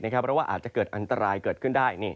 เพราะว่าอาจจะเกิดอันตรายเกิดขึ้นได้